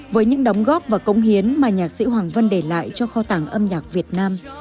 với những đóng góp và cống hiến mà nhạc sĩ hoàng vân để lại cho kho tảng âm nhạc việt nam